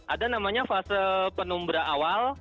ada namanya fase penumbra awal